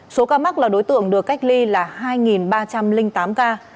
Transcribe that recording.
số ca mắc là đối tượng được cách ly là hai ba trăm linh tám ca